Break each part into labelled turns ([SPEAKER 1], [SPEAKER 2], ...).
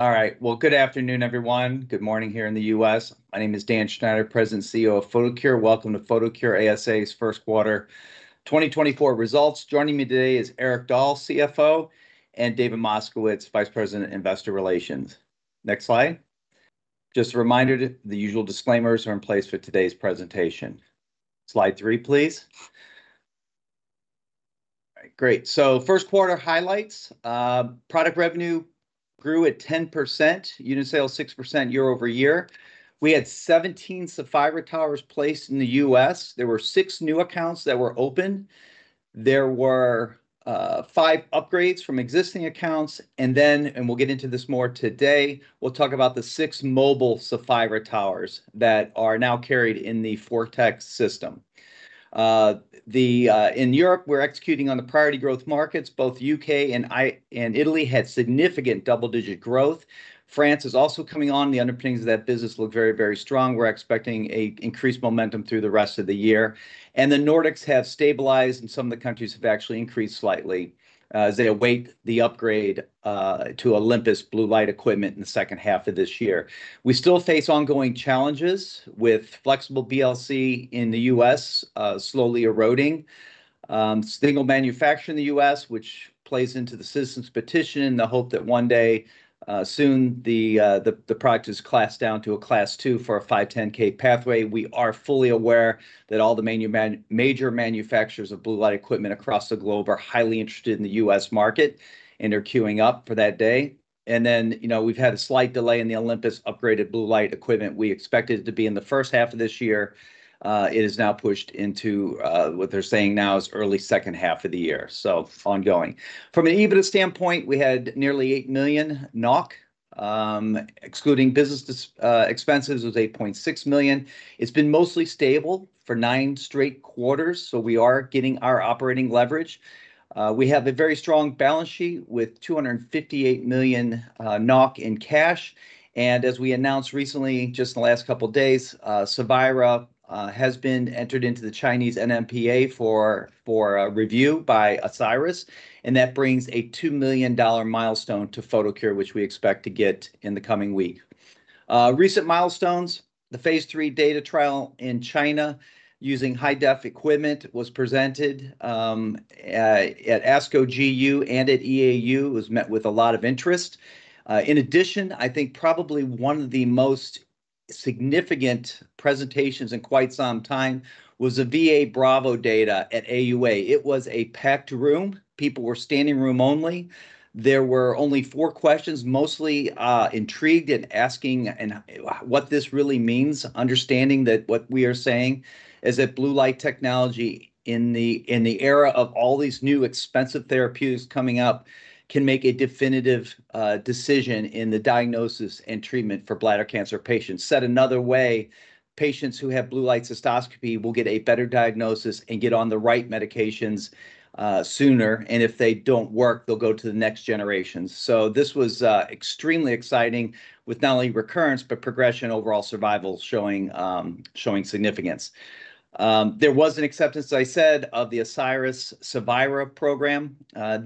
[SPEAKER 1] All right, well, good afternoon, everyone. Good morning here in the U.S. My name is Dan Schneider, President and CEO of Photocure. Welcome to Photocure ASA's first quarter 2024 results. Joining me today is Erik Dahl, CFO, and David Moskowitz, Vice President, Investor Relations. Next slide. Just a reminder, the usual disclaimers are in place for today's presentation. Slide three, please. All right, great. So first quarter highlights: product revenue grew at 10%, unit sales 6% year-over-year. We had 17 Saphira Towers placed in the U.S. There were six new accounts that were open. There were five upgrades from existing accounts. And then, and we'll get into this more today, we'll talk about the six mobile Saphira Towers that are now carried in the ForTec system. In Europe, we're executing on the priority growth markets. Both U.K. and Italy had significant double-digit growth. France is also coming on. The underpinnings of that business look very, very strong. We're expecting an increased momentum through the rest of the year. The Nordics have stabilized, and some of the countries have actually increased slightly as they await the upgrade to Olympus blue light equipment in the second half of this year. We still face ongoing challenges with flexible BLC in the U.S., slowly eroding. Single manufacturer in the U.S., which plays into the Citizen Petition and the hope that one day soon the product is classed down to a Class 2 for a 510(k) pathway. We are fully aware that all the major manufacturers of blue light equipment across the globe are highly interested in the U.S. market and are queuing up for that day. Then we've had a slight delay in the Olympus upgraded blue light equipment. We expected it to be in the first half of this year. It is now pushed into what they're saying now is early second half of the year, so ongoing. From an EBITDA standpoint, we had nearly 8 million NOK. NOK, excluding business expenses, was 8.6 million. It's been mostly stable for nine straight quarters, so we are getting our operating leverage. We have a very strong balance sheet with 258 million NOK in cash. And as we announced recently, just in the last couple of days, Cevira has been entered into the Chinese NMPA for review by Asieris. And that brings a $2 million milestone to Photocure, which we expect to get in the coming week. Recent milestones: the phase III data trial in China using high-def equipment was presented at ASCO GU and at EAU. It was met with a lot of interest. In addition, I think probably one of the most significant presentations in quite some time was the VA BRAVO data at AUA. It was a packed room. People were standing room only. There were only four questions, mostly intrigued and asking what this really means, understanding that what we are saying is that blue light technology in the era of all these new expensive therapeutics coming up can make a definitive decision in the diagnosis and treatment for bladder cancer patients. Said another way, patients who have blue light cystoscopy will get a better diagnosis and get on the right medications sooner. And if they don't work, they'll go to the next generations. So this was extremely exciting with not only recurrence but progression overall survival showing significance. There was an acceptance, as I said, of the Asieris Cevira program. I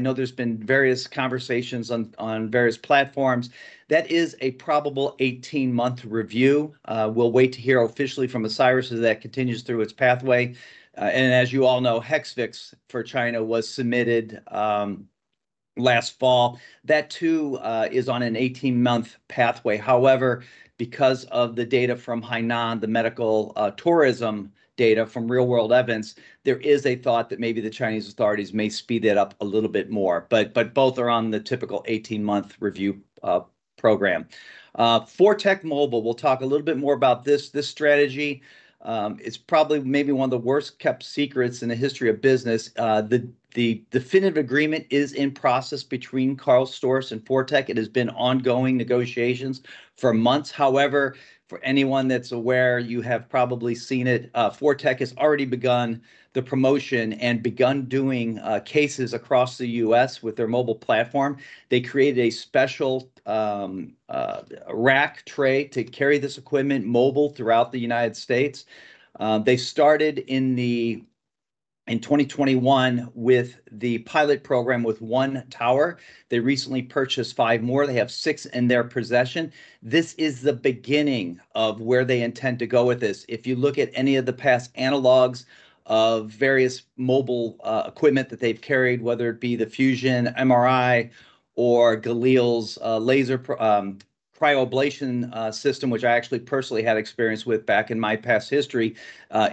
[SPEAKER 1] know there's been various conversations on various platforms. That is a probable 18-month review. We'll wait to hear officially from Asieris as that continues through its pathway. And as you all know, Hexvix for China was submitted last fall. That, too, is on an 18-month pathway. However, because of the data from Hainan, the medical tourism data from real-world evidence, there is a thought that maybe the Chinese authorities may speed that up a little bit more. But both are on the typical 18-month review program. ForTec Mobile, we'll talk a little bit more about this strategy. It's probably maybe one of the worst kept secrets in the history of business. The definitive agreement is in process between Karl Storz and ForTec. It has been ongoing negotiations for months. However, for anyone that's aware, you have probably seen it. ForTec has already begun the promotion and begun doing cases across the U.S. with their mobile platform. They created a special rack tray to carry this equipment mobile throughout the United States. They started in 2021 with the pilot program with one tower. They recently purchased five more. They have six in their possession. This is the beginning of where they intend to go with this. If you look at any of the past analogs of various mobile equipment that they've carried, whether it be the Fusion MRI or Galil's laser cryoablation system, which I actually personally had experience with back in my past history,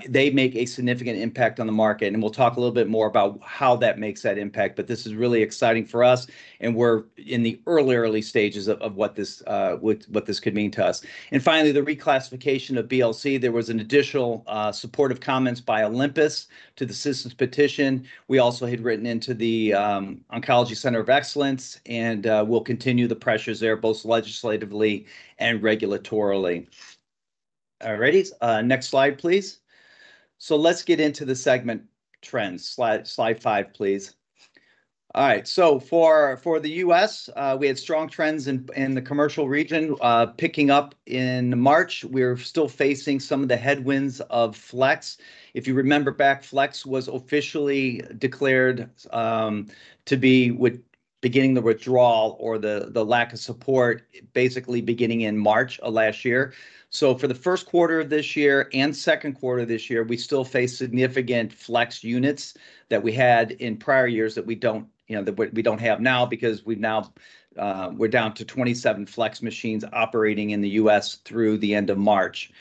[SPEAKER 1] they make a significant impact on the market. And we'll talk a little bit more about how that makes that impact. But this is really exciting for us, and we're in the early, early stages of what this could mean to us. And finally, the reclassification of BLC. There was an additional supportive comments by Olympus to the Citizens' Petition. We also had written into the Oncology Center of Excellence, and we'll continue the pressures there, both legislatively and regulatorily. All righty. Next slide, please. So let's get into the segment trends. Slide five, please. All right. So for the U.S., we had strong trends in the commercial region picking up in March. We're still facing some of the headwinds of Flex. If you remember back, Flex was officially declared to be beginning the withdrawal or the lack of support, basically beginning in March of last year. So for the first quarter of this year and second quarter of this year, we still face significant Flex units that we had in prior years that we don't have now because we're down to 27 Flex machines operating in the U.S. through the end of March.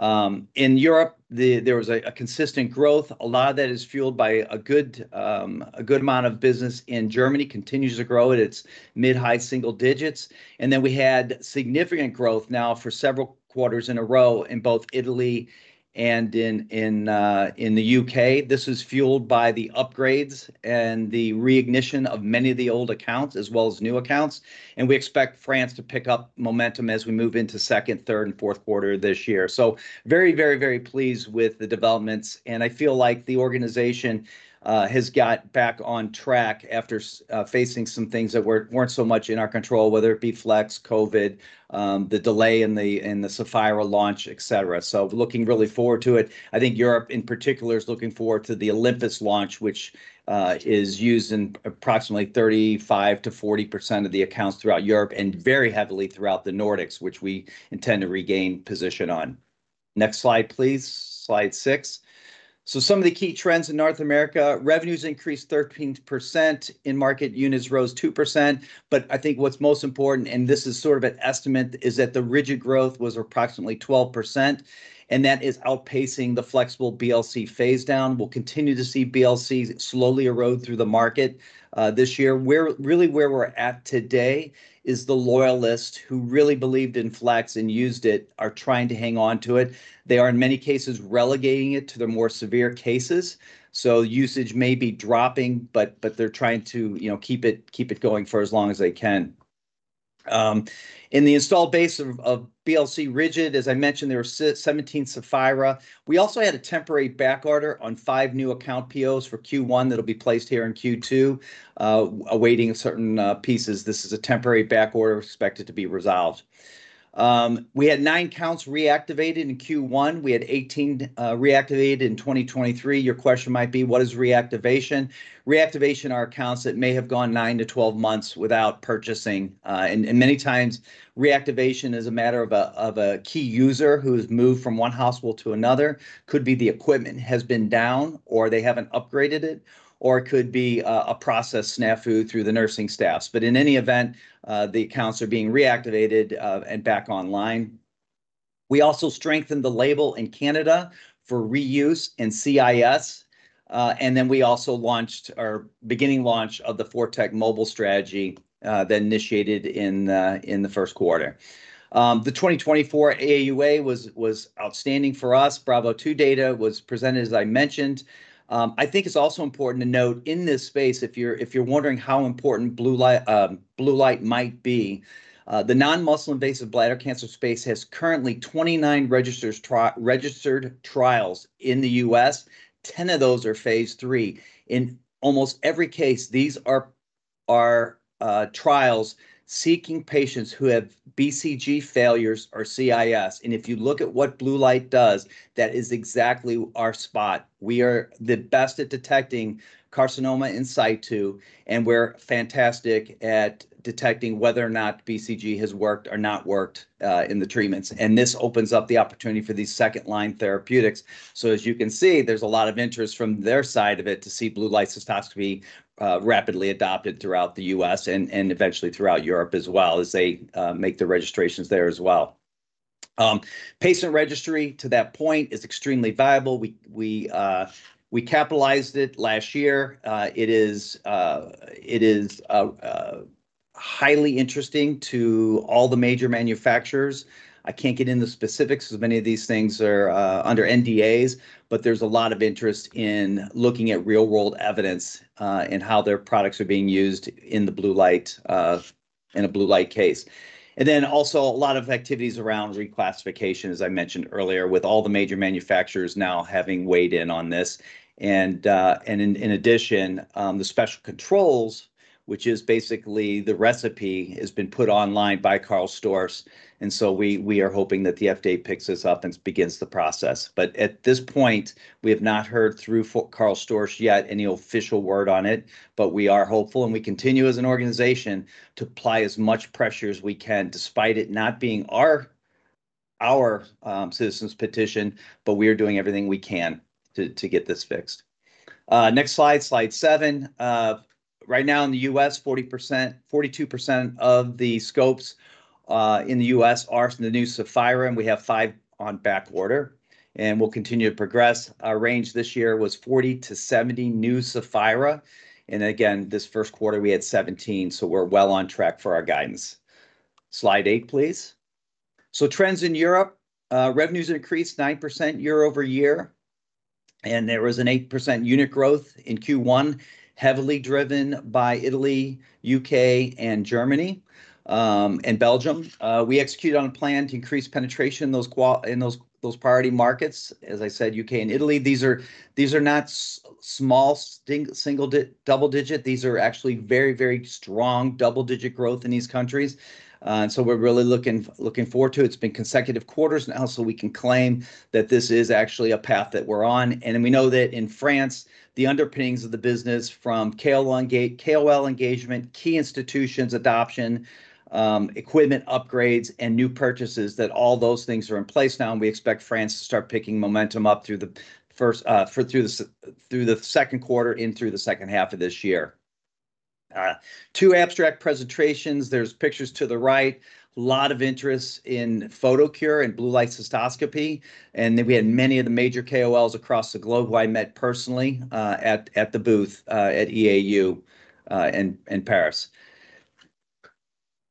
[SPEAKER 1] In Europe, there was a consistent growth. A lot of that is fueled by a good amount of business in Germany, continues to grow. It's mid, high, single digits. And then we had significant growth now for several quarters in a row in both Italy and in the U.K. This is fueled by the upgrades and the reignition of many of the old accounts as well as new accounts. And we expect France to pick up momentum as we move into second, third, and fourth quarter this year. So very, very, very pleased with the developments. And I feel like the organization has got back on track after facing some things that weren't so much in our control, whether it be Flex, COVID, the delay in the Cevira launch, etc. So looking really forward to it. I think Europe, in particular, is looking forward to the Olympus launch, which is used in approximately 35%-40% of the accounts throughout Europe and very heavily throughout the Nordics, which we intend to regain position on. Next slide, please. Slide six. So some of the key trends in North America: revenues increased 13%, in-market units rose 2%. But I think what's most important, and this is sort of an estimate, is that the rigid growth was approximately 12%, and that is outpacing the flexible BLC phase down. We'll continue to see BLCs slowly erode through the market this year. Really, where we're at today is the loyalists, who really believed in Flex and used it, are trying to hang on to it. They are, in many cases, relegating it to the more severe cases. So usage may be dropping, but they're trying to keep it going for as long as they can. In the installed base of BLC rigid, as I mentioned, there were 17 Cevira. We also had a temporary backorder on five new account POs for Q1 that'll be placed here in Q2, awaiting certain pieces. This is a temporary backorder, expected to be resolved. We had nine counts reactivated in Q1. We had 18 reactivated in 2023. Your question might be, "What is reactivation?" Reactivation are accounts that may have gone 9-12 months without purchasing. And many times, reactivation is a matter of a key user who has moved from one hospital to another. Could be the equipment has been down or they haven't upgraded it, or it could be a process snafu through the nursing staffs. But in any event, the accounts are being reactivated and back online. We also strengthened the label in Canada for reuse and CIS. Then we also launched our beginning launch of the ForTec Mobile strategy that initiated in the first quarter. The 2024 AUA was outstanding for us. BRAVO II data was presented, as I mentioned. I think it's also important to note in this space, if you're wondering how important blue light might be, the non-muscle invasive bladder cancer space has currently 29 registered trials in the U.S. 10 of those are phase III. In almost every case, these are trials seeking patients who have BCG failures or CIS. And if you look at what blue light does, that is exactly our spot. We are the best at detecting carcinoma in situ, and we're fantastic at detecting whether or not BCG has worked or not worked in the treatments. And this opens up the opportunity for these second-line therapeutics. So as you can see, there's a lot of interest from their side of it to see blue light cystoscopy rapidly adopted throughout the U.S. and eventually throughout Europe as well as they make the registrations there as well. Patient registry, to that point, is extremely viable. We capitalized it last year. It is highly interesting to all the major manufacturers. I can't get into specifics because many of these things are under NDAs, but there's a lot of interest in looking at real-world evidence in how their products are being used in a blue light case. And then also, a lot of activities around reclassification, as I mentioned earlier, with all the major manufacturers now having weighed in on this. And in addition, the special controls, which is basically the recipe, has been put online by Karl Storz. We are hoping that the FDA picks this up and begins the process. At this point, we have not heard through Karl Storz yet any official word on it. We are hopeful, and we continue as an organization to apply as much pressure as we can, despite it not being our Citizens' Petition, but we are doing everything we can to get this fixed. Next slide, slide seven. Right now in the U.S., 42% of the scopes in the U.S. are the new Cevira, and we have five on backorder and we'll continue to progress. Our range this year was 40-70 new Cevira. And again, this first quarter, we had 17, so we're well on track for our guidance. Slide eight, please. Trends in Europe: revenues increased 9% year-over-year, and there was an 8% unit growth in Q1, heavily driven by Italy, U.K., and Belgium. We executed on a plan to increase penetration in those priority markets, as I said, U.K. and Italy. These are not small single-digit, double-digit. These are actually very, very strong double-digit growth in these countries. And so we're really looking forward to it. It's been consecutive quarters now, so we can claim that this is actually a path that we're on. And we know that in France, the underpinnings of the business from KOL engagement, key institutions adoption, equipment upgrades, and new purchases, that all those things are in place now. And we expect France to start picking momentum up through the second quarter and through the second half of this year. Two abstract presentations. There's pictures to the right. A lot of interest in Photocure and blue light cystoscopy. And then we had many of the major KOLs across the globe who I met personally at the booth at EAU in Paris.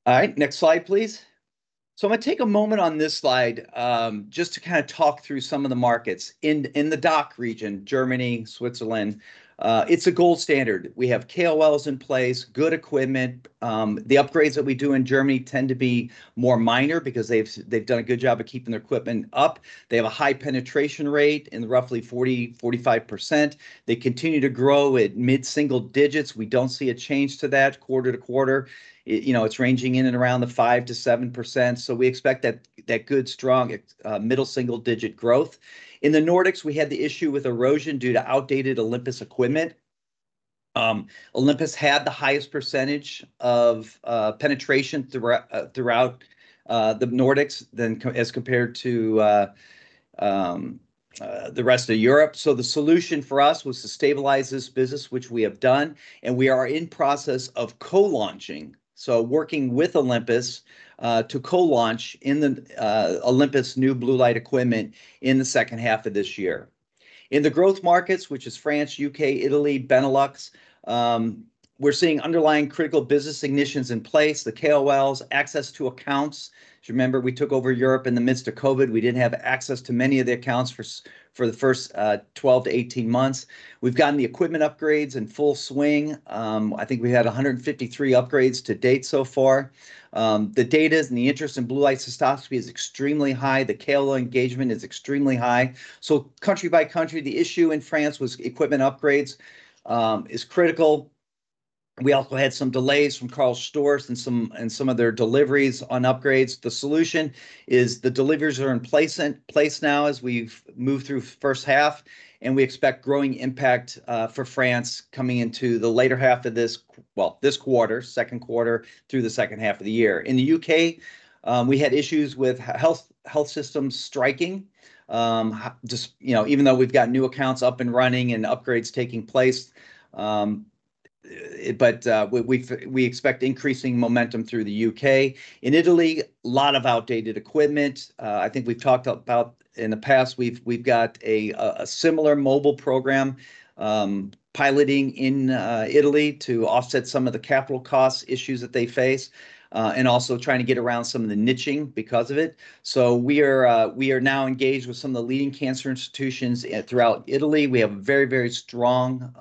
[SPEAKER 1] All right. Next slide, please. So I'm going to take a moment on this slide just to kind of talk through some of the markets. In the DACH region, Germany, Switzerland, it's a gold standard. We have KOLs in place, good equipment. The upgrades that we do in Germany tend to be more minor because they've done a good job of keeping their equipment up. They have a high penetration rate in roughly 40%-45%. They continue to grow at mid-single digits. We don't see a change to that quarter-to-quarter. It's ranging in and around the 5%-7%. So we expect that good, strong middle-single digit growth. In the Nordics, we had the issue with erosion due to outdated Olympus equipment. Olympus had the highest percentage of penetration throughout the Nordics as compared to the rest of Europe. The solution for us was to stabilize this business, which we have done. We are in process of co-launching, so working with Olympus to co-launch Olympus new blue light equipment in the second half of this year. In the growth markets, which is France, U.K., Italy, Benelux, we're seeing underlying critical business ignitions in place, the KOLs, access to accounts. As you remember, we took over Europe in the midst of COVID. We didn't have access to many of the accounts for the first 12-18 months. We've gotten the equipment upgrades in full swing. I think we had 153 upgrades to date so far. The data and the interest in Blue Light Cystoscopy is extremely high. The KOL engagement is extremely high. So country by country, the issue in France was equipment upgrades is critical. We also had some delays from Karl Storz and some of their deliveries on upgrades. The solution is the deliveries are in place now as we've moved through first half, and we expect growing impact for France coming into the later half of this quarter, second quarter, through the second half of the year. In the U.K., we had issues with health systems striking, even though we've got new accounts up and running and upgrades taking place. But we expect increasing momentum through the U.K. In Italy, a lot of outdated equipment. I think we've talked about in the past. We've got a similar mobile program piloting in Italy to offset some of the capital cost issues that they face and also trying to get around some of the niching because of it. So we are now engaged with some of the leading cancer institutions throughout Italy. We have a very, very strong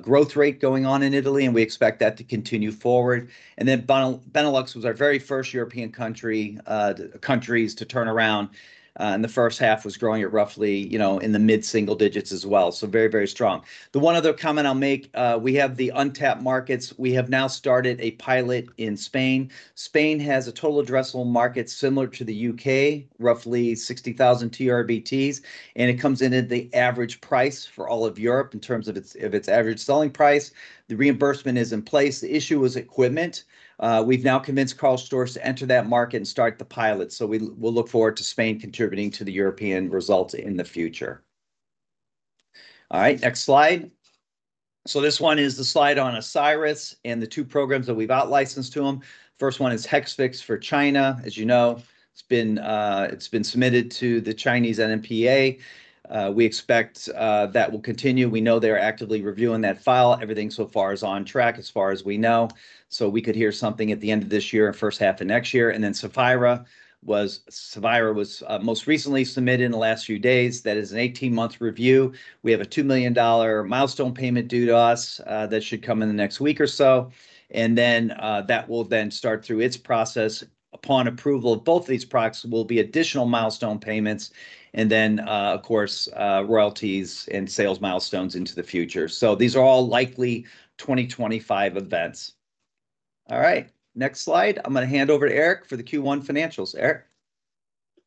[SPEAKER 1] growth rate going on in Italy, and we expect that to continue forward. And then Benelux was our very first European countries to turn around, and the first half was growing at roughly in the mid-single digits as well. So very, very strong. The one other comment I'll make, we have the untapped markets. We have now started a pilot in Spain. Spain has a total addressable market similar to the U.K., roughly 60,000 TURBTs, and it comes in at the average price for all of Europe in terms of its average selling price. The reimbursement is in place. The issue was equipment. We've now convinced Karl Storz to enter that market and start the pilot. So we'll look forward to Spain contributing to the European results in the future. All right. Next slide. So this one is the slide on Asieris and the two programs that we've outlicensed to them. First one is Hexvix for China. As you know, it's been submitted to the Chinese NMPA. We expect that will continue. We know they're actively reviewing that file. Everything so far is on track as far as we know. So we could hear something at the end of this year, first half of next year. Then Cevira was most recently submitted in the last few days. That is an 18-month review. We have a $2 million milestone payment due to us that should come in the next week or so. Then that will then start through its process. Upon approval of both of these products, there will be additional milestone payments and then, of course, royalties and sales milestones into the future. These are all likely 2025 events. All right. Next slide. I'm going to hand over to Erik for the Q1 financials. Erik?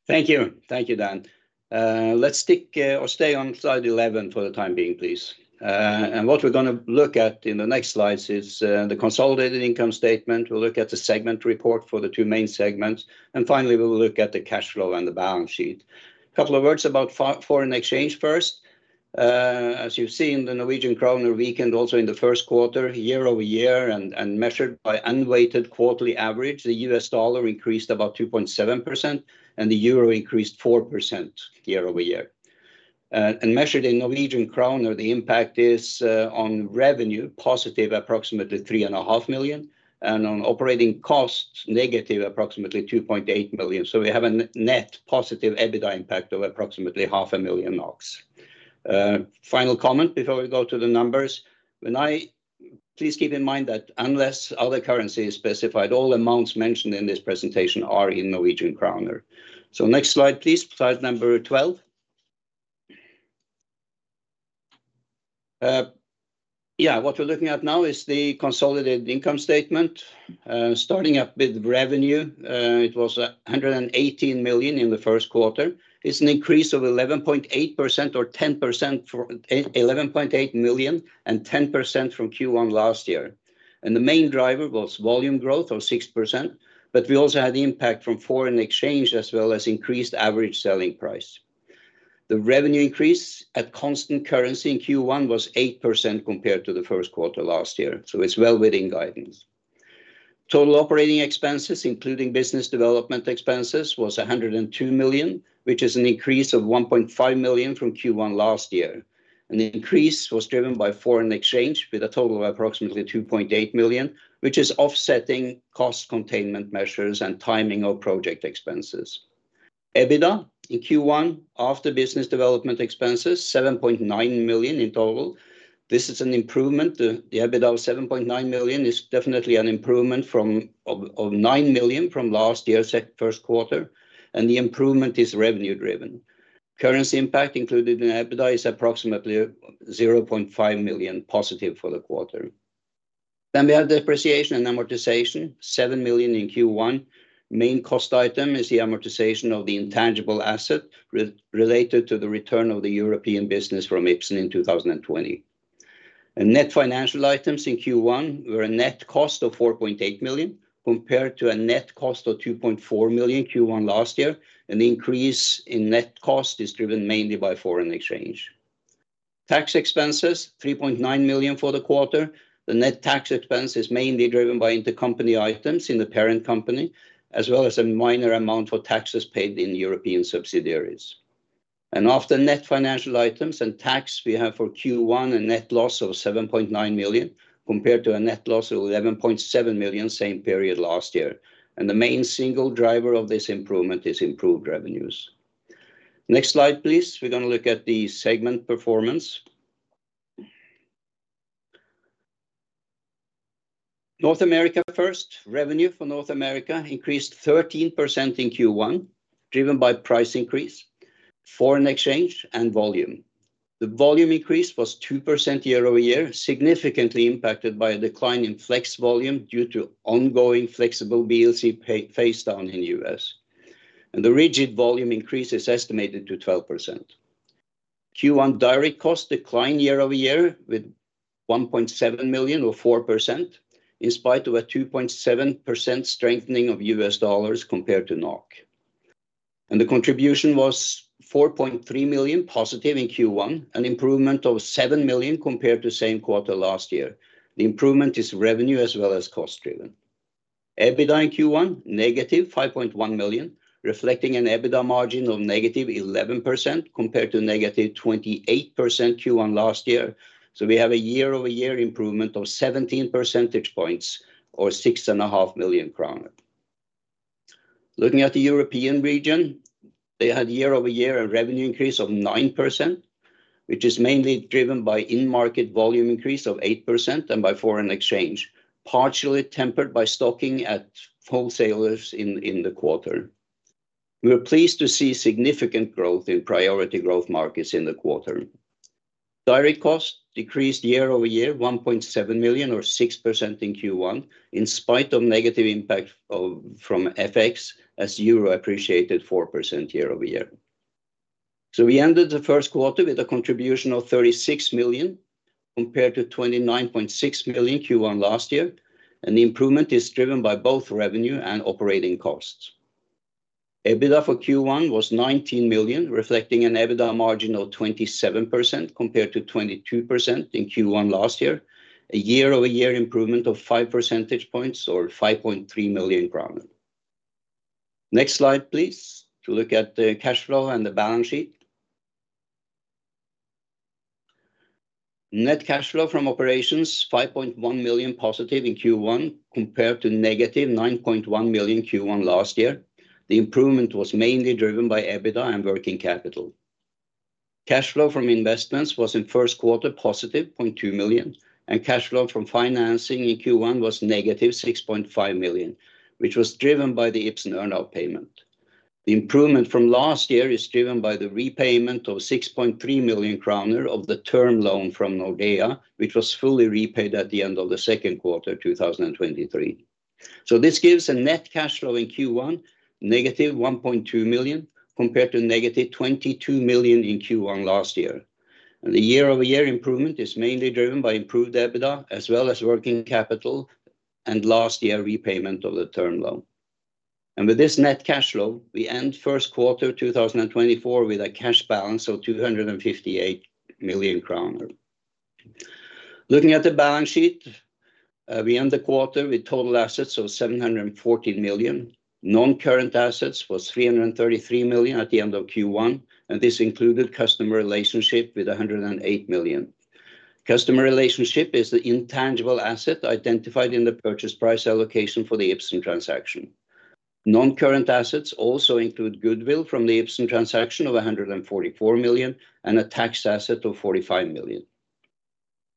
[SPEAKER 2] Thank you. Thank you, Dan. Let's stick or stay on slide 11 for the time being, please. What we're going to look at in the next slides is the consolidated income statement. We'll look at the segment report for the two main segments. Finally, we'll look at the cash flow and the balance sheet. A couple of words about foreign exchange first. As you've seen the Norwegian kroner weakened also in the first quarter, year-over-year, and measured by unweighted quarterly average, the U.S. dollar increased about 2.7% and the euro increased 4% year-over-year. Measured in Norwegian kroner, the impact is on revenue positive approximately 3.5 million and on operating costs negative approximately 2.8 million. So we have a net positive EBITDA impact of approximately 500,000 NOK. Final comment before we go to the numbers. Please keep in mind that unless other currency is specified, all amounts mentioned in this presentation are in Norwegian Kroner. So next slide, please. Slide number 12. Yeah, what we're looking at now is the consolidated income statement. Starting up with revenue, it was 118 million in the first quarter. It's an increase of 11.8% or 10% for 11.8 million and 10% from Q1 last year. And the main driver was volume growth of 6%, but we also had impact from foreign exchange as well as increased average selling price. The revenue increase at constant currency in Q1 was 8% compared to the first quarter last year. So it's well within guidance. Total operating expenses, including business development expenses, was 102 million, which is an increase of 1.5 million from Q1 last year. The increase was driven by foreign exchange with a total of approximately 2.8 million, which is offsetting cost containment measures and timing of project expenses. EBITDA in Q1 after business development expenses, 7.9 million in total. This is an improvement. The EBITDA of 7.9 million is definitely an improvement from 9 million from last year's first quarter. The improvement is revenue-driven. Currency impact included in EBITDA is approximately +0.5 million for the quarter. We have depreciation and amortization, 7 million in Q1. Main cost item is the amortization of the intangible asset related to the return of the European business from Ipsen in 2020. Net financial items in Q1 were a net cost of 4.8 million compared to a net cost of 2.4 million Q1 last year. The increase in net cost is driven mainly by foreign exchange. Tax expenses, 3.9 million for the quarter. The net tax expense is mainly driven by intercompany items in the parent company as well as a minor amount for taxes paid in European subsidiaries. After net financial items and tax, we have for Q1 a net loss of 7.9 million compared to a net loss of 11.7 million, same period last year. The main single driver of this improvement is improved revenues. Next slide, please. We're going to look at the segment performance. North America first, revenue for North America increased 13% in Q1 driven by price increase, foreign exchange, and volume. The volume increase was 2% year-over-year, significantly impacted by a decline in flex volume due to ongoing flexible BLC phase down in the U.S. The rigid volume increase is estimated to 12%. Q1 direct cost decline year-over-year with 1.7 million or 4% in spite of a 2.7% strengthening of U.S. dollars compared to NOK. The contribution was +4.3 million in Q1, an improvement of 7 million compared to same quarter last year. The improvement is revenue as well as cost-driven. EBITDA in Q1, -5.1 million, reflecting an EBITDA margin of -11% compared to -28% Q1 last year. We have a year-over-year improvement of 17 percentage points or 6.5 million kroner. Looking at the European region, they had year-over-year a revenue increase of 9%, which is mainly driven by in-market volume increase of 8% and by foreign exchange, partially tempered by stocking at wholesalers in the quarter. We were pleased to see significant growth in priority growth markets in the quarter. Direct cost decreased year-over-year, 1.7 million or 6% in Q1 in spite of negative impact from FX as euro appreciated 4% year-over-year. So we ended the first quarter with a contribution of 36 million compared to 29.6 million Q1 last year. The improvement is driven by both revenue and operating costs. EBITDA for Q1 was 19 million, reflecting an EBITDA margin of 27% compared to 22% in Q1 last year, a year-over-year improvement of 5 percentage points or 5.3 million crown. Next slide, please, to look at the cash flow and the balance sheet. Net cash flow from operations, +5.1 million in Q1 compared to -9.1 million Q1 last year. The improvement was mainly driven by EBITDA and working capital. Cash flow from investments was in first quarter +0.2 million, and cash flow from financing in Q1 was -6.5 million, which was driven by the Ipsen earnout payment. The improvement from last year is driven by the repayment of 6.3 million kroner of the term loan from Nordea, which was fully repaid at the end of the second quarter 2023. So this gives a net cash flow in Q1, -1.2 million compared to -22 million in Q1 last year. The year-over-year improvement is mainly driven by improved EBITDA as well as working capital and last year repayment of the term loan. With this net cash flow, we end first quarter 2024 with a cash balance of 258 million kroner. Looking at the balance sheet, we end the quarter with total assets of 714 million. Non-current assets was 333 million at the end of Q1, and this included customer relationship with 108 million. Customer relationship is the intangible asset identified in the purchase price allocation for the Ipsen transaction. Non-current assets also include goodwill from the Ipsen transaction of 144 million and a tax asset of 45 million.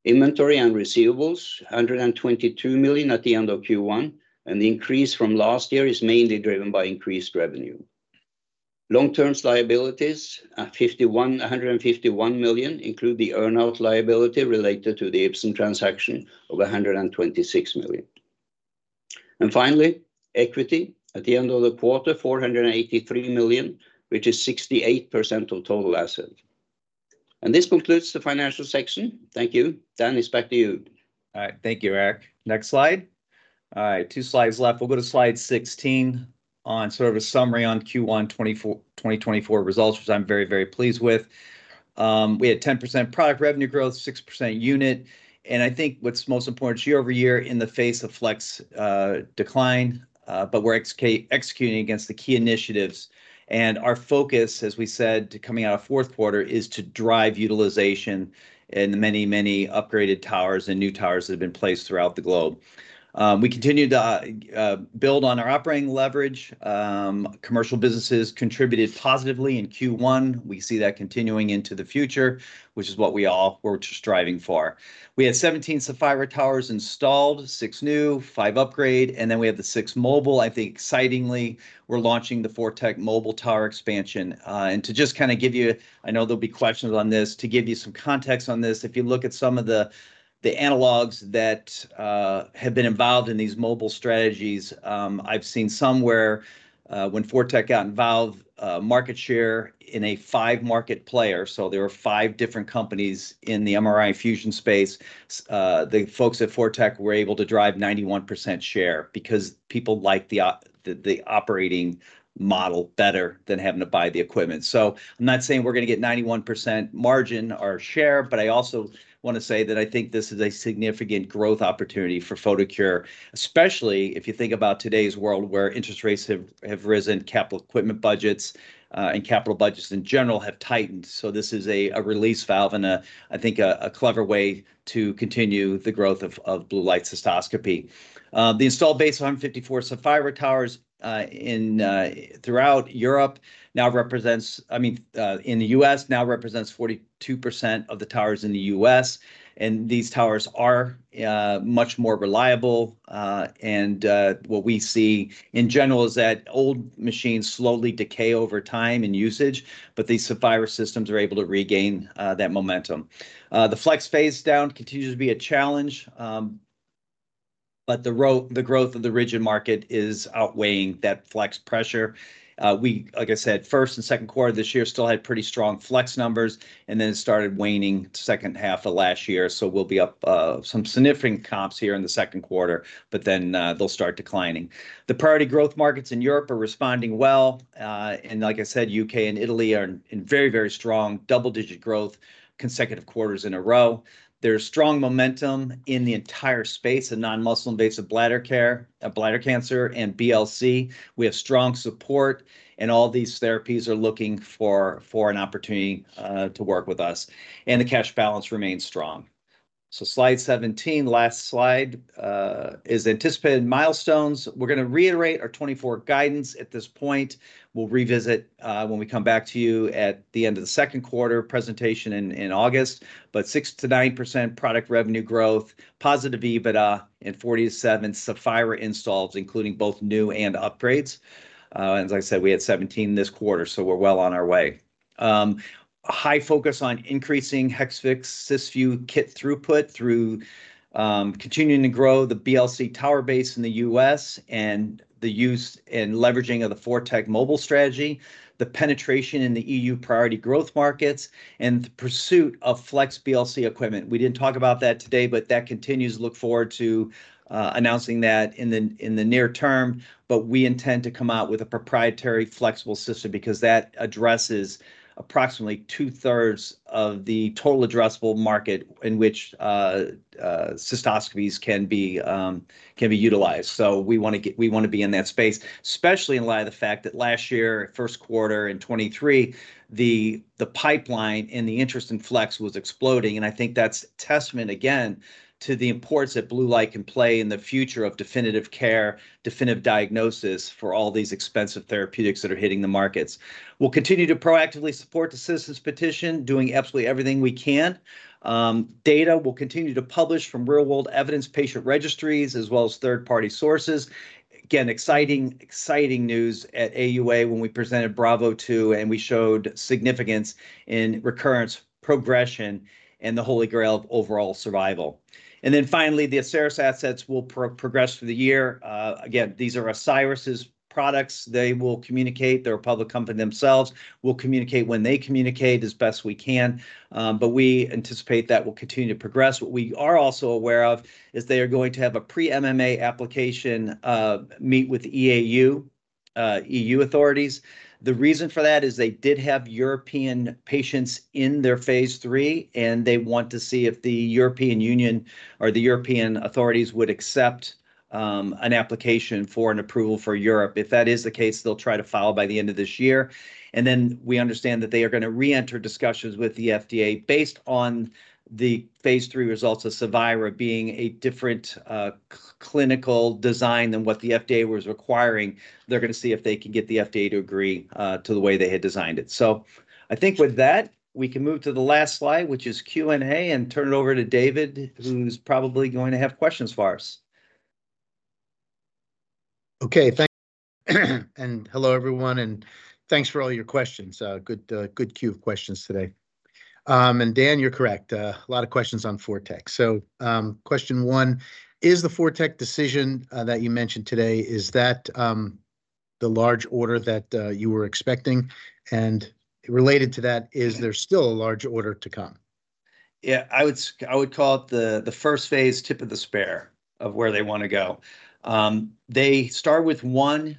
[SPEAKER 2] Inventory and receivables, 122 million at the end of Q1, and the increase from last year is mainly driven by increased revenue. Long-term liabilities, 151 million, include the earnout liability related to the Ipsen transaction of 126 million. Finally, equity at the end of the quarter, 483 million, which is 68% of total asset. This concludes the financial section. Thank you, Dan. It's back to you.
[SPEAKER 1] All right. Thank you, Erik. Next slide. All right. two slides left. We'll go to slide 16 on sort of a summary on Q1 2024 results, which I'm very, very pleased with. We had 10% product revenue growth, 6% unit. And I think what's most important is year over year in the face of flex decline, but we're executing against the key initiatives. And our focus, as we said, coming out of fourth quarter, is to drive utilization in the many, many upgraded towers and new towers that have been placed throughout the globe. We continue to build on our operating leverage. Commercial businesses contributed positively in Q1. We see that continuing into the future, which is what we all were striving for. We had 17 Sapphira towers installed, six new, five upgrade. And then we have the six mobile. I think excitingly, we're launching the ForTec mobile tower expansion. And to just kind of give you, I know there'll be questions on this, to give you some context on this, if you look at some of the analogs that have been involved in these mobile strategies, I've seen somewhere when ForTec got involved, market share in a five-market player. So there were five different companies in the MRI fusion space. The folks at ForTec were able to drive 91% share because people liked the operating model better than having to buy the equipment. So I'm not saying we're going to get 91% margin or share, but I also want to say that I think this is a significant growth opportunity for Photocure, especially if you think about today's world where interest rates have risen, capital equipment budgets, and capital budgets in general have tightened. So this is a release valve and I think a clever way to continue the growth of blue light cystoscopy. The installed base, 154 Cevira towers throughout Europe now represents, I mean, in the U.S. now represents 42% of the towers in the U.S. And these towers are much more reliable. And what we see in general is that old machines slowly decay over time in usage, but these Cevira systems are able to regain that momentum. The flex phase down continues to be a challenge, but the growth of the rigid market is outweighing that flex pressure. We, like I said, first and second quarter of this year still had pretty strong flex numbers, and then it started waning second half of last year. So we'll be up some significant comps here in the second quarter, but then they'll start declining. The priority growth markets in Europe are responding well. Like I said, U.K. and Italy are in very, very strong double-digit growth consecutive quarters in a row. There's strong momentum in the entire space of non-muscle invasive bladder cancer, and BLC. We have strong support, and all these therapies are looking for an opportunity to work with us. The cash balance remains strong. So slide 17, last slide, is anticipated milestones. We're going to reiterate our 2024 guidance at this point. We'll revisit when we come back to you at the end of the second quarter presentation in August, but 6%-9% product revenue growth, positive EBITDA in 47 Cevira installs, including both new and upgrades. As I said, we had 17 this quarter, so we're well on our way. High focus on increasing Hexvix Cysview kit throughput through continuing to grow the BLC tower base in the U.S. and the use and leveraging of the ForTec mobile strategy, the penetration in the EU priority growth markets, and the pursuit of flex BLC equipment. We didn't talk about that today, but that continues. Look forward to announcing that in the near term, but we intend to come out with a proprietary flexible system because that addresses approximately 2/3 of the total addressable market in which cystoscopies can be utilized. So we want to be in that space, especially in light of the fact that last year, first quarter in 2023, the pipeline in the interest in flex was exploding. I think that's testament again to the importance that blue light can play in the future of definitive care, definitive diagnosis for all these expensive therapeutics that are hitting the markets. We'll continue to proactively support the Citizens' Petition, doing absolutely everything we can. Data we'll continue to publish from real-world evidence, patient registries, as well as third-party sources. Again, exciting news at AUA when we presented Bravo II and we showed significance in recurrence, progression, and the Holy Grail of overall survival. And then finally, the Asieris assets will progress through the year. Again, these are Asieris' products. They will communicate. They're a public company themselves. We'll communicate when they communicate as best we can, but we anticipate that will continue to progress. What we are also aware of is they are going to have a pre-NMPA application meeting with NMPA authorities. The reason for that is they did have European patients in their phase III, and they want to see if the European Union or the European authorities would accept an application for an approval for Europe. If that is the case, they'll try to file by the end of this year. And then we understand that they are going to reenter discussions with the FDA based on the Phase III results of Cevira being a different clinical design than what the FDA was requiring. They're going to see if they can get the FDA to agree to the way they had designed it. I think with that, we can move to the last slide, which is Q&A, and turn it over to David, who's probably going to have questions for us.
[SPEAKER 3] Okay. Thanks. And hello, everyone, and thanks for all your questions. Good queue of questions today. And Dan, you're correct. A lot of questions on ForTec. So question one, is the ForTec decision that you mentioned today, is that the large order that you were expecting? And related to that, is there still a large order to come?
[SPEAKER 1] Yeah, I would call it the phase I tip of the spear of where they want to go. They start with one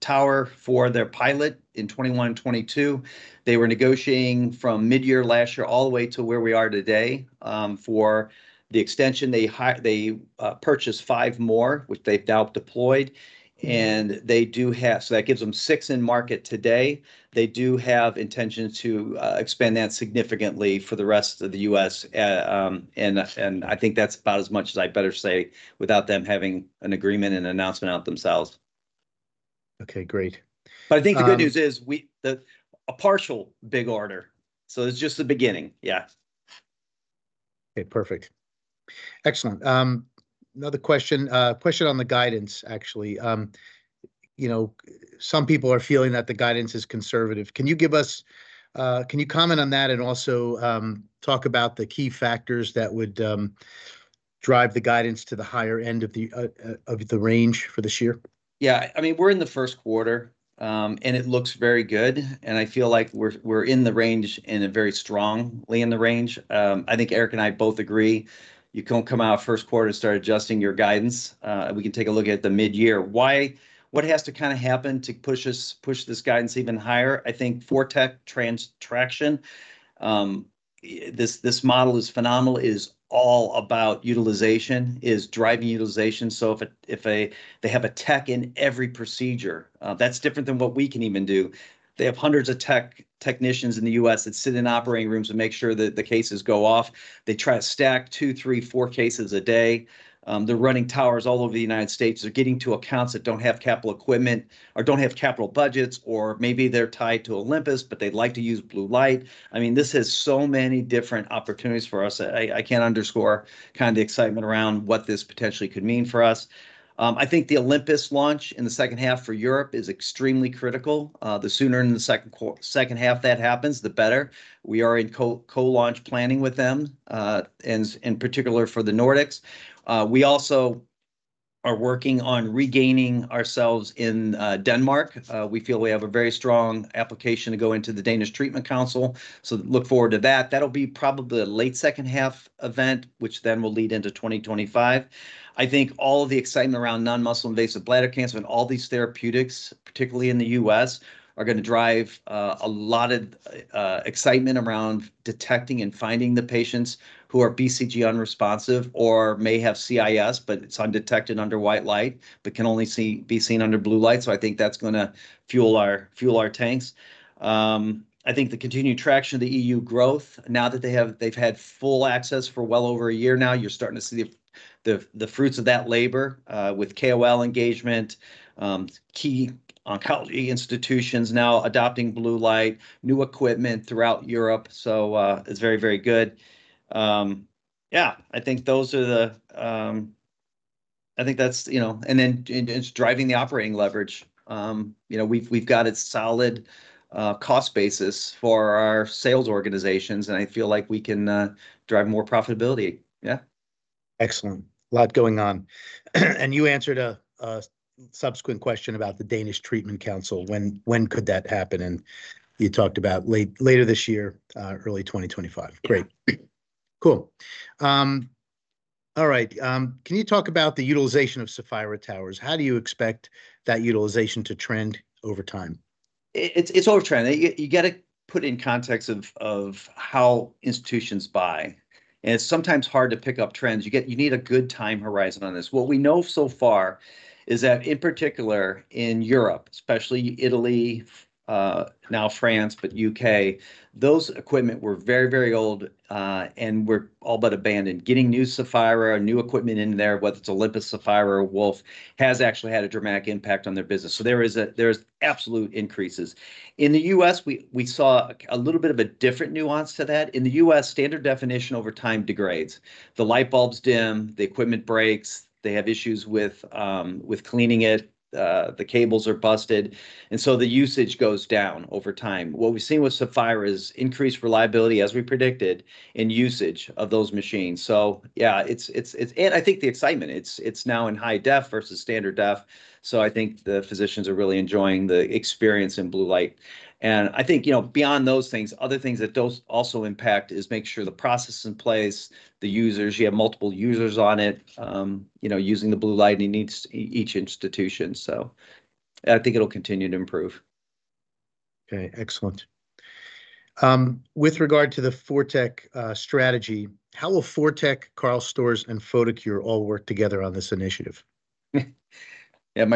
[SPEAKER 1] tower for their pilot in 2021, 2022. They were negotiating from midyear last year all the way to where we are today for the extension. They purchased five more, which they've now deployed. And they do have so that gives them six in market today. They do have intentions to expand that significantly for the rest of the U.S.. And I think that's about as much as I better say without them having an agreement and announcement out themselves.
[SPEAKER 3] Okay. Great.
[SPEAKER 1] I think the good news is a partial big order. It's just the beginning. Yeah.
[SPEAKER 3] Okay. Perfect. Excellent. Another question. A question on the guidance, actually. Some people are feeling that the guidance is conservative. Can you comment on that and also talk about the key factors that would drive the guidance to the higher end of the range for this year?
[SPEAKER 1] Yeah. I mean, we're in the first quarter, and it looks very good. I feel like we're in the range and very strongly in the range. I think Erik and I both agree. You can't come out first quarter and start adjusting your guidance. We can take a look at the midyear. What has to kind of happen to push this guidance even higher? I think ForTec traction, this model is phenomenal, is all about utilization, is driving utilization. So if they have a tech in every procedure, that's different than what we can even do. They have hundreds of technicians in the U.S. that sit in operating rooms and make sure that the cases go off. They try to stack two, three, four cases a day. They're running towers all over the United States. They're getting to accounts that don't have capital equipment or don't have capital budgets, or maybe they're tied to Olympus, but they'd like to use blue light. I mean, this has so many different opportunities for us. I can't underscore kind of the excitement around what this potentially could mean for us. I think the Olympus launch in the second half for Europe is extremely critical. The sooner in the second half that happens, the better. We are in co-launch planning with them, in particular for the Nordics. We also are working on regaining ourselves in Denmark. We feel we have a very strong application to go into the Danish Treatment Council. So look forward to that. That'll be probably a late second half event, which then will lead into 2025. I think all of the excitement around non-muscle invasive bladder cancer and all these therapeutics, particularly in the U.S., are going to drive a lot of excitement around detecting and finding the patients who are BCG unresponsive or may have CIS, but it's undetected under white light, but can only be seen under blue light. So I think that's going to fuel our tanks. I think the continued traction of the EU growth, now that they've had full access for well over a year now, you're starting to see the fruits of that labor with KOL engagement, key oncology institutions now adopting blue light, new equipment throughout Europe. So it's very, very good. Yeah, I think that's, and then it's driving the operating leverage. We've got a solid cost basis for our sales organizations, and I feel like we can drive more profitability. Yeah.
[SPEAKER 3] Excellent. A lot going on. And you answered a subsequent question about the Danish Treatment Council. When could that happen? And you talked about later this year, early 2025. Great. Cool. All right. Can you talk about the utilization of Cevira towers? How do you expect that utilization to trend over time?
[SPEAKER 1] It's overtrend. You got to put it in context of how institutions buy. It's sometimes hard to pick up trends. You need a good time horizon on this. What we know so far is that in particular in Europe, especially Italy, now France, but U.K., those equipment were very, very old and were all but abandoned. Getting new Cevira or new equipment in there, whether it's Olympus, Cevira, or Wolf, has actually had a dramatic impact on their business. There's absolute increases. In the U.S., we saw a little bit of a different nuance to that. In the U.S., standard definition over time degrades. The light bulbs dim, the equipment breaks, they have issues with cleaning it, the cables are busted, and so the usage goes down over time. What we've seen with Cevira is increased reliability, as we predicted, in usage of those machines. Yeah, it's, and I think the excitement; it's now in high-def versus standard-def. So I think the physicians are really enjoying the experience in blue light. And I think beyond those things, other things that also impact is make sure the process in place, the users; you have multiple users on it using the blue light in each institution. So I think it'll continue to improve.
[SPEAKER 3] Okay. Excellent. With regard to the ForTec strategy, how will ForTec, Karl Storz, and Photocure all work together on this initiative?
[SPEAKER 1] Yeah,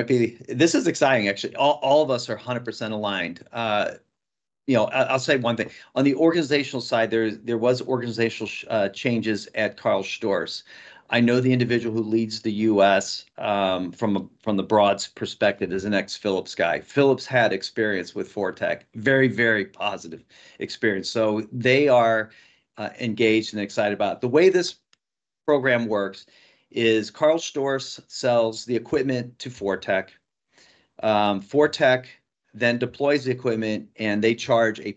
[SPEAKER 1] this is exciting, actually. All of us are 100% aligned. I'll say one thing. On the organizational side, there was organizational changes at Karl Storz. I know the individual who leads the US from the broad perspective is an ex-Philips guy. Philips had experience with ForTec, very, very positive experience. So they are engaged and excited about it. The way this program works is Karl Storz sells the equipment to ForTec. ForTec then deploys the equipment, and they charge a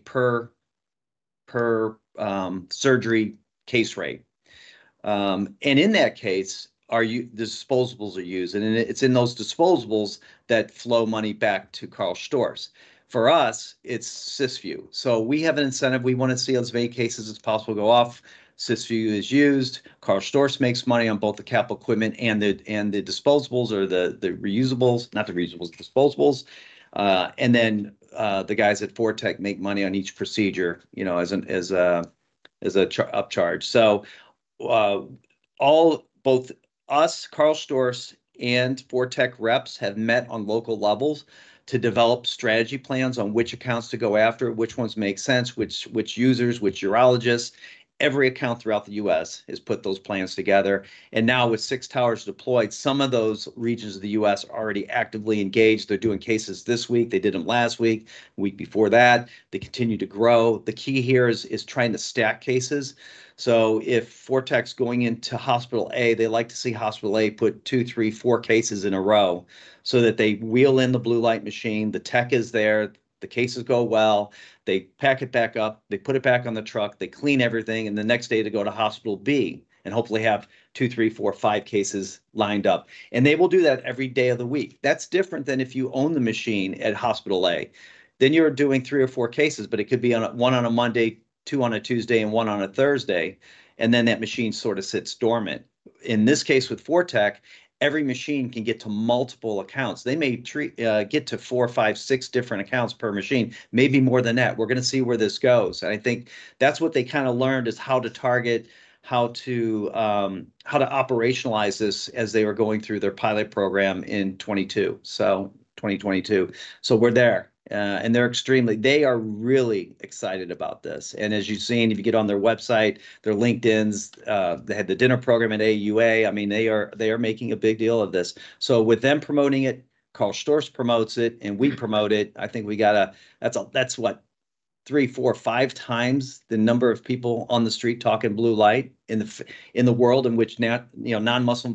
[SPEAKER 1] per-surgery case rate. And in that case, the disposables are used, and it's in those disposables that flow money back to Karl Storz. For us, it's Cysview. So we have an incentive. We want to see as many cases as possible go off. Cysview is used. Karl Storz makes money on both the capital equipment and the disposables or the reusables not the reusables, the disposables. Then the guys at ForTec make money on each procedure as an upcharge. So both us, Karl Storz, and ForTec reps have met on local levels to develop strategy plans on which accounts to go after, which ones make sense, which users, which urologists. Every account throughout the U.S. has put those plans together. And now with six towers deployed, some of those regions of the U.S. are already actively engaged. They're doing cases this week. They did them last week, week before that. They continue to grow. The key here is trying to stack cases. So if ForTec's going into Hospital A, they like to see Hospital A put two, three, four cases in a row so that they wheel in the blue light machine. The tech is there. The cases go well. They pack it back up. They put it back on the truck. They clean everything and the next day go to Hospital B and hopefully have two, three, four, five cases lined up. They will do that every day of the week. That's different than if you own the machine at Hospital A. Then you're doing three or four cases, but it could be one on a Monday, two on a Tuesday, and one on a Thursday, and then that machine sort of sits dormant. In this case with ForTec, every machine can get to multiple accounts. They may get to four, five, six different accounts per machine, maybe more than that. We're going to see where this goes. I think that's what they kind of learned is how to target, how to operationalize this as they were going through their pilot program in 2022. So we're there. They're really excited about this. As you've seen, if you get on their website, their LinkedIn's, they had the dinner program at AUA. I mean, they are making a big deal of this. So with them promoting it, Karl Storz promotes it, and we promote it. I think we got a that's what, 3x, 4x, 5x the number of people on the street talking blue light in the world in which non-muscle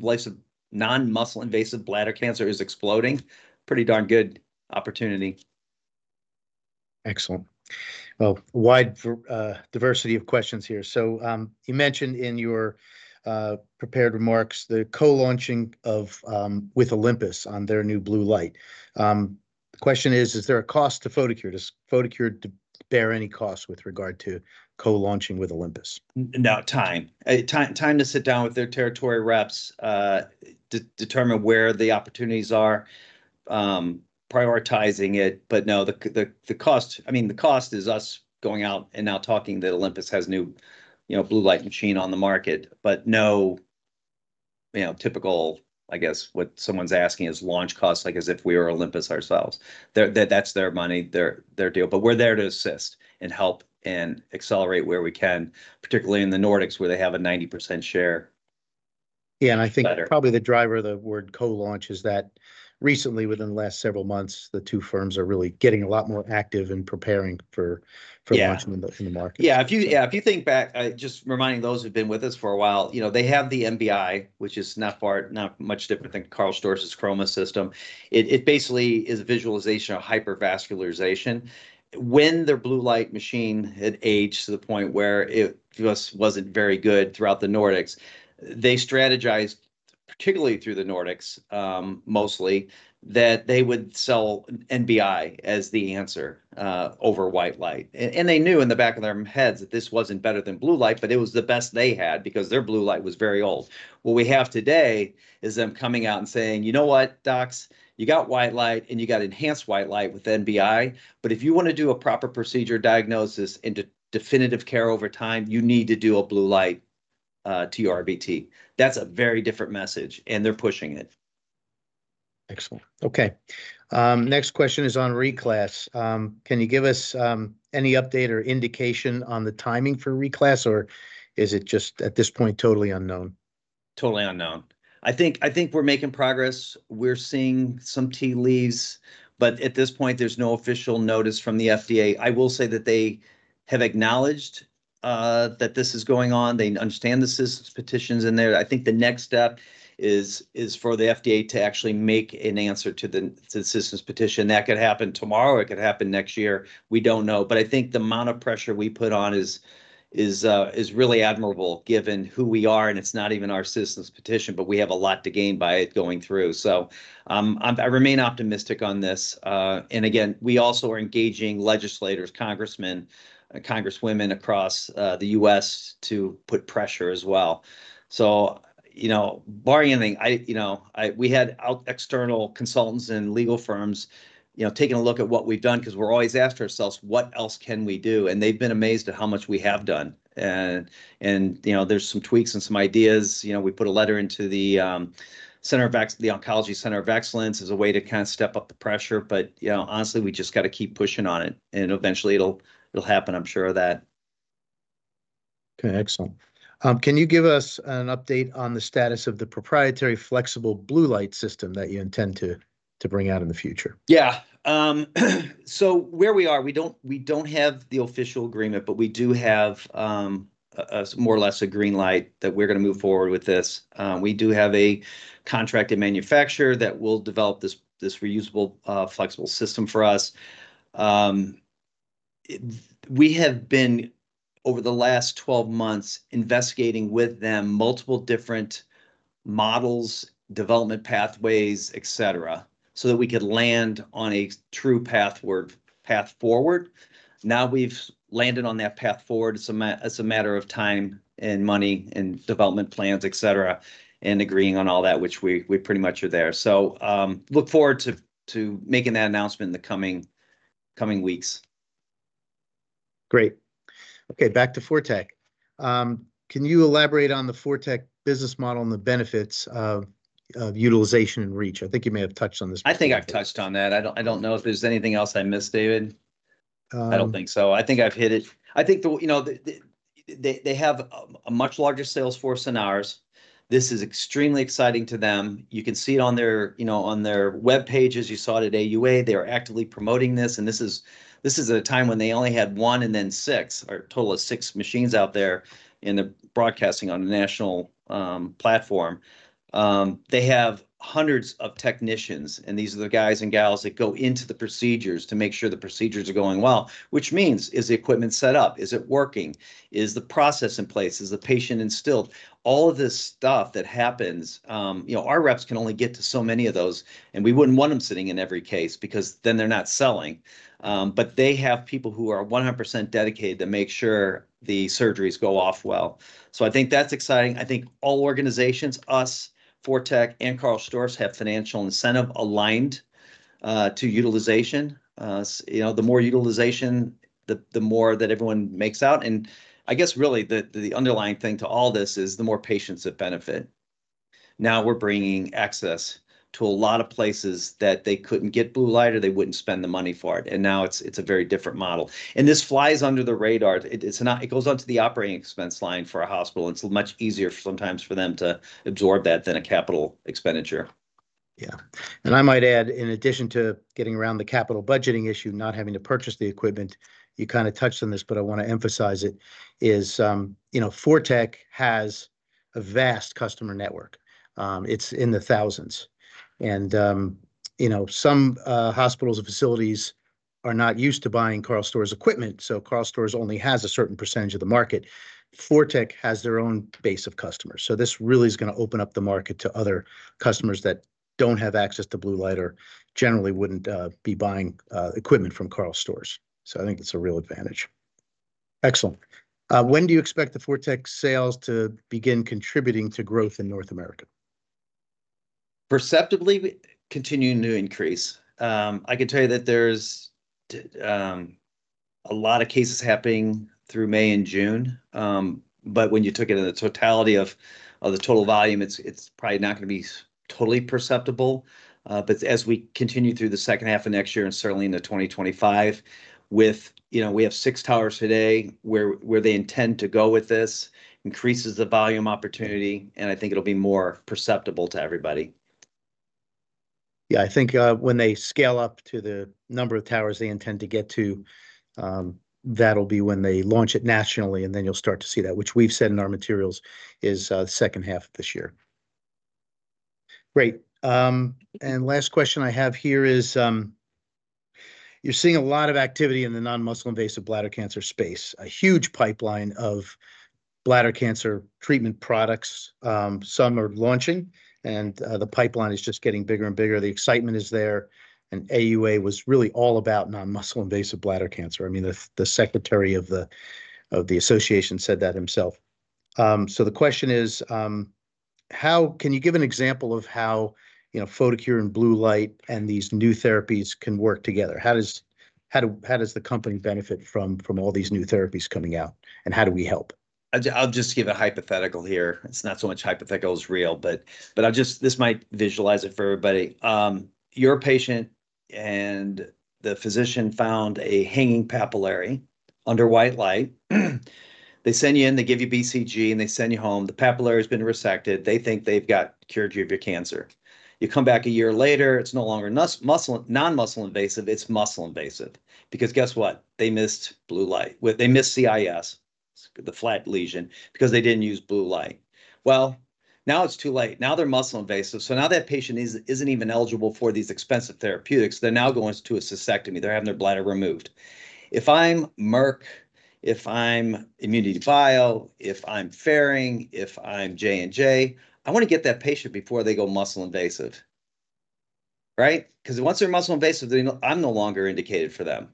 [SPEAKER 1] invasive bladder cancer is exploding. Pretty darn good opportunity.
[SPEAKER 3] Excellent. Well, wide diversity of questions here. So you mentioned in your prepared remarks the co-launching with Olympus on their new blue light. The question is, is there a cost to Photocure? Does Photocure bear any cost with regard to co-launching with Olympus?
[SPEAKER 1] No. Time to sit down with their territory reps, determine where the opportunities are, prioritizing it. But no, the cost I mean, the cost is us going out and now talking that Olympus has a new blue light machine on the market, but no typical, I guess, what someone's asking is launch costs, like as if we were Olympus ourselves. That's their money, their deal. But we're there to assist and help and accelerate where we can, particularly in the Nordics where they have a 90% share.
[SPEAKER 3] Yeah. I think probably the driver of the word co-launch is that recently, within the last several months, the two firms are really getting a lot more active and preparing for launching in the market.
[SPEAKER 1] Yeah. If you think back, just reminding those who've been with us for a while, they have the NBI, which is not much different than Karl Storz's CHROMA system. It basically is a visualization of hypervascularization. When their blue light machine had aged to the point where it wasn't very good throughout the Nordics, they strategized, particularly through the Nordics mostly, that they would sell NBI as the answer over white light. And they knew in the back of their heads that this wasn't better than blue light, but it was the best they had because their blue light was very old. What we have today is them coming out and saying, "You know what, docs? You got white light, and you got enhanced white light with NBI. But if you want to do a proper procedure diagnosis and definitive care over time, you need to do a blue light TURBT. That's a very different message, and they're pushing it.
[SPEAKER 3] Excellent. Okay. Next question is on reclass. Can you give us any update or indication on the timing for reclass, or is it just at this point totally unknown?
[SPEAKER 1] Totally unknown. I think we're making progress. We're seeing some tea leaves, but at this point, there's no official notice from the FDA. I will say that they have acknowledged that this is going on. They understand the citizens' petitions in there. I think the next step is for the FDA to actually make an answer to the citizens' petition. That could happen tomorrow. It could happen next year. We don't know. But I think the amount of pressure we put on is really admirable given who we are, and it's not even our citizens' petition, but we have a lot to gain by it going through. So I remain optimistic on this. And again, we also are engaging legislators, congressmen, congresswomen across the U.S. to put pressure as well. Barring anything, we had external consultants and legal firms taking a look at what we've done because we're always asking ourselves, "What else can we do?" They've been amazed at how much we have done. There's some tweaks and some ideas. We put a letter into the Oncology Center of Excellence as a way to kind of step up the pressure. But honestly, we just got to keep pushing on it, and eventually, it'll happen, I'm sure of that.
[SPEAKER 3] Okay. Excellent. Can you give us an update on the status of the proprietary flexible blue light system that you intend to bring out in the future?
[SPEAKER 1] Yeah. So where we are, we don't have the official agreement, but we do have more or less a green light that we're going to move forward with this. We do have a contracted manufacturer that will develop this reusable flexible system for us. We have been, over the last 12 months, investigating with them multiple different models, development pathways, etc., so that we could land on a true path forward. Now we've landed on that path forward. It's a matter of time and money and development plans, etc., and agreeing on all that, which we pretty much are there. So look forward to making that announcement in the coming weeks.
[SPEAKER 3] Great. Okay. Back to ForTec. Can you elaborate on the ForTec business model and the benefits of utilization and reach? I think you may have touched on this before.
[SPEAKER 1] I think I've touched on that. I don't know if there's anything else I missed, David. I don't think so. I think I've hit it. I think they have a much larger sales force than ours. This is extremely exciting to them. You can see it on their web pages. You saw it at AUA. They are actively promoting this. And this is a time when they only had one and then six, a total of six machines out there in the broadcasting on a national platform. They have hundreds of technicians, and these are the guys and gals that go into the procedures to make sure the procedures are going well, which means, is the equipment set up? Is it working? Is the process in place? Is the patient instilled? All of this stuff that happens, our reps can only get to so many of those, and we wouldn't want them sitting in every case because then they're not selling. But they have people who are 100% dedicated to make sure the surgeries go off well. So I think that's exciting. I think all organizations, us, ForTec, and Karl Storz have financial incentive aligned to utilization. The more utilization, the more that everyone makes out. And I guess really the underlying thing to all this is the more patients that benefit. Now we're bringing access to a lot of places that they couldn't get blue light or they wouldn't spend the money for it. And now it's a very different model. And this flies under the radar. It goes onto the operating expense line for a hospital. It's much easier sometimes for them to absorb that than a capital expenditure.
[SPEAKER 3] Yeah. And I might add, in addition to getting around the capital budgeting issue, not having to purchase the equipment, you kind of touched on this, but I want to emphasize it, is ForTec has a vast customer network. It's in the thousands. And some hospitals and facilities are not used to buying Karl Storz equipment, so Karl Storz only has a certain percentage of the market. ForTec has their own base of customers. So this really is going to open up the market to other customers that don't have access to blue light or generally wouldn't be buying equipment from Karl Storz. So I think it's a real advantage. Excellent. When do you expect the ForTec sales to begin contributing to growth in North America?
[SPEAKER 1] Perceptibly, continuing to increase. I can tell you that there's a lot of cases happening through May and June. But when you took it in the totality of the total volume, it's probably not going to be totally perceptible. But as we continue through the second half of next year and certainly into 2025, we have six towers today. Where they intend to go with this increases the volume opportunity, and I think it'll be more perceptible to everybody.
[SPEAKER 3] Yeah. I think when they scale up to the number of towers they intend to get to, that'll be when they launch it nationally, and then you'll start to see that, which we've said in our materials is the second half of this year. Great. And last question I have here is you're seeing a lot of activity in the non-muscle invasive bladder cancer space, a huge pipeline of bladder cancer treatment products. Some are launching, and the pipeline is just getting bigger and bigger. The excitement is there. And AUA was really all about non-muscle invasive bladder cancer. I mean, the secretary of the association said that himself. So the question is, can you give an example of how Photocure and blue light and these new therapies can work together? How does the company benefit from all these new therapies coming out, and how do we help?
[SPEAKER 1] I'll just give a hypothetical here. It's not so much hypothetical as real, but this might visualize it for everybody. Your patient and the physician found a hanging papillary under white light. They send you in. They give you BCG, and they send you home. The papillary has been resected. They think they've got cured you of your cancer. You come back a year later. It's no longer non-muscle invasive. It's muscle invasive because guess what? They missed blue light. They missed CIS, the flat lesion, because they didn't use blue light. Well, now it's too late. Now they're muscle invasive. So now that patient isn't even eligible for these expensive therapeutics. They're now going to a cystectomy. They're having their bladder removed. If I'm Merck, if I'm ImmunityBio, if I'm Ferring, if I'm J&J, I want to get that patient before they go muscle invasive, right? Because once they're muscle invasive, I'm no longer indicated for them.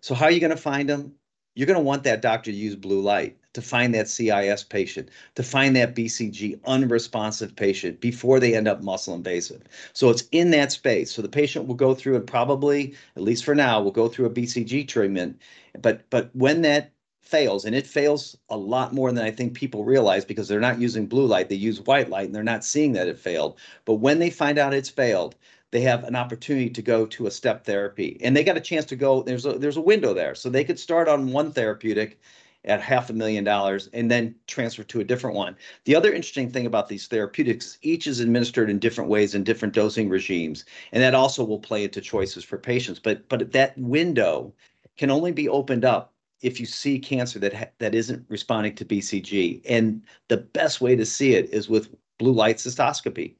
[SPEAKER 1] So how are you going to find them? You're going to want that doctor to use blue light, to find that CIS patient, to find that BCG unresponsive patient before they end up muscle invasive. So it's in that space. So the patient will go through and probably, at least for now, will go through a BCG treatment. But when that fails and it fails a lot more than I think people realize because they're not using blue light, they use white light, and they're not seeing that it failed. But when they find out it's failed, they have an opportunity to go to a step therapy. And they got a chance to go. There's a window there. So they could start on one therapeutic at $500,000 and then transfer to a different one. The other interesting thing about these therapeutics is each is administered in different ways and different dosing regimes. And that also will play into choices for patients. But that window can only be opened up if you see cancer that isn't responding to BCG. And the best way to see it is with blue light cystoscopy.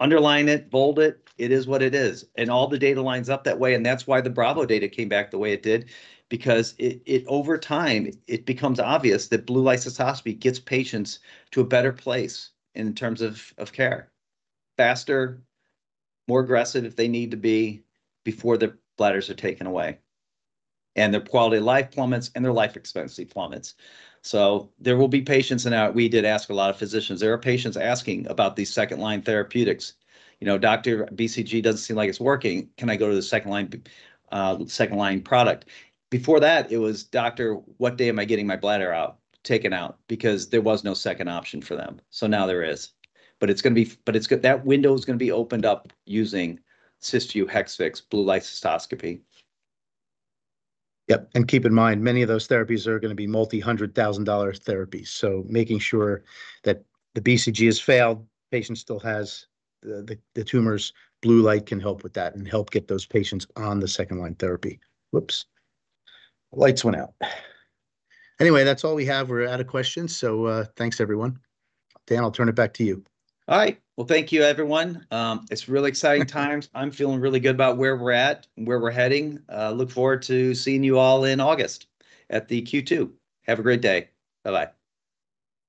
[SPEAKER 1] Underline it, bold it. It is what it is. And all the data lines up that way. And that's why the Bravo data came back the way it did because over time, it becomes obvious that blue light cystoscopy gets patients to a better place in terms of care, faster, more aggressive if they need to be before their bladders are taken away, and their quality of life plummets, and their life expenses plummets. So there will be patients now. We did ask a lot of physicians. There are patients asking about these second-line therapeutics. "Doctor, BCG doesn't seem like it's working. Can I go to the second-line product?" Before that, it was, "Doctor, what day am I getting my bladder taken out?" because there was no second option for them. So now there is. But it's going to be that window is going to be opened up using Cysview Hexvix blue light cystoscopy.
[SPEAKER 3] Yep. And keep in mind, many of those therapies are going to be multi-hundred-thousand-dollar therapies. So making sure that the BCG has failed, the patient still has the tumors, blue light can help with that and help get those patients on the second-line therapy. Whoops. Lights went out. Anyway, that's all we have. We're out of questions. So thanks, everyone. Dan, I'll turn it back to you.
[SPEAKER 1] All right. Well, thank you, everyone. It's really exciting times. I'm feeling really good about where we're at and where we're heading. Look forward to seeing you all in August at the Q2. Have a great day. Bye-bye.